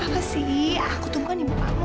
apa sih aku tunggu nyimpangmu